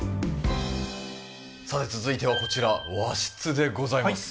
さて続いてはこちら和室でございます。